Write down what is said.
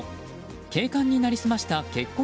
警官に成り済ました結婚